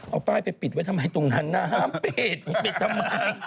เอาป้ายไปปิดไว้ทำไมตรงนั้นน้ำปิดผมปิดทำไม